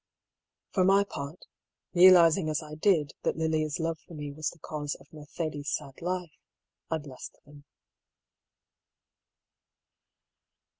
For my part, realising as I did that Lilia's love for me was the cause of Mercedes' sad life, I blessed them.